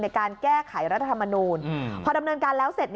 ในการแก้ไขรัฐธรรมนูลพอดำเนินการแล้วเสร็จ